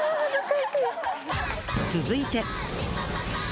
続いて。